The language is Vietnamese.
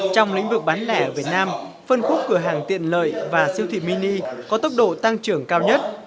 trong lĩnh vực bán lẻ ở việt nam phân khúc cửa hàng tiện lợi và siêu thị mini có tốc độ tăng trưởng cao nhất